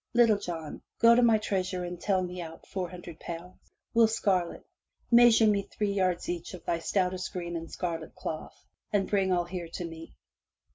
"Little John, go to my treasure and tell me out four hundred pounds. Will Scarlet, measure me three yards each of our stoutest green and scarlet cloth, and bring all here to me.